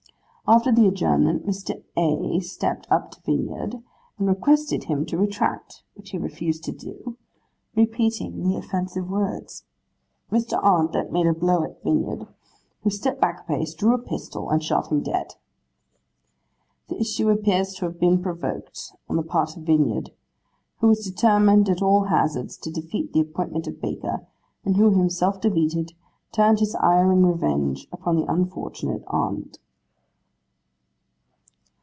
After the adjournment, Mr. A. stepped up to Vinyard, and requested him to retract, which he refused to do, repeating the offensive words. Mr. Arndt then made a blow at Vinyard, who stepped back a pace, drew a pistol, and shot him dead. 'The issue appears to have been provoked on the part of Vinyard, who was determined at all hazards to defeat the appointment of Baker, and who, himself defeated, turned his ire and revenge upon the unfortunate Arndt.